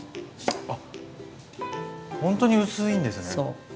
あほんとに薄いんですね。